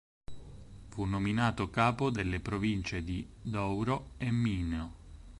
Fu nominato capo delle province di Douro e Minho.